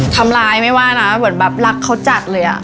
ทำร้ายไม่ว่านะเหมือนแบบรักเขาจัดเลยอ่ะ